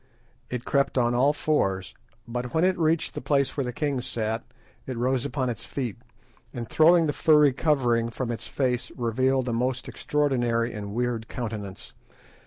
It crept on all fours, but when it reached the place where the king sat it rose upon its feet, and throwing the furry covering from its face, revealed a most extraordinary and weird countenance.